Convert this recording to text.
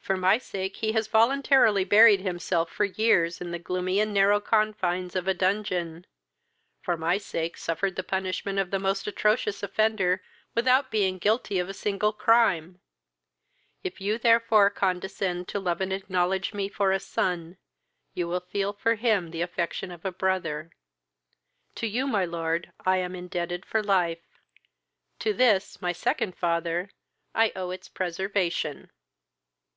For my sake he has voluntarily buried himself for years in the gloomy and narrow confines of a dungeon; for my sake suffered the punishment of the most atrocious offender without being guilty of a single crime. If you therefore condescend to love and acknowledge me for a son, you will feel for him the affection of a brother. To you, my lord, I am indebted for life, to this, my second father, I owe its preservation."